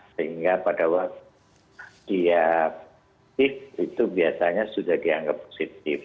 sehingga pada waktu dia positif itu biasanya sudah dianggap positif